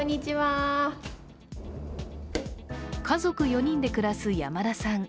家族４人で暮らす山田さん。